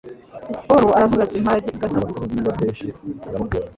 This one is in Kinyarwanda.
Pawulo aravuga ati mpagaze